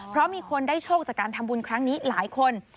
เพราะมีคนได้โชคจากการทำบุญครั้งนี้หลายคน